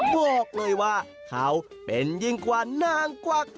บอกเลยว่าเขาเป็นยิ่งกว่านางกวัก